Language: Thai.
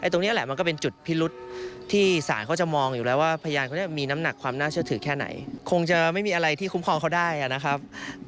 ตรงนี้แหละมันก็เป็นจุดพิรุษที่ศาลเขาจะมองอยู่แล้วว่าพยานคนนี้มีน้ำหนักความน่าเชื่อถือแค่ไหนคงจะไม่มีอะไรที่คุ้มครองเขาได้นะครับ